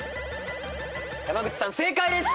山口さん正解です。